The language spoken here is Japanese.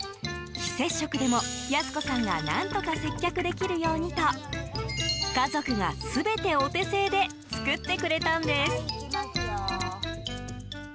非接触でも、保子さんが何とか接客できるようにと家族が全てお手製で作ってくれたんです。